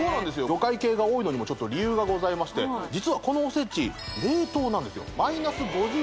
魚介系が多いのにも理由がございまして実はこのおせち冷凍なんですよ